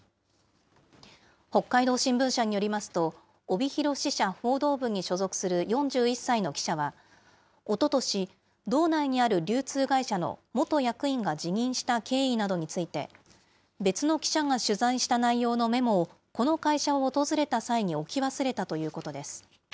北海道新聞社によりますと、帯広支社報道部に所属する４１歳の記者は、おととし、道内にある流通会社の元役員が辞任した経緯などについて、別の記者が取材した内容のメモを、この会社を訪れた際に置き忘れたということです。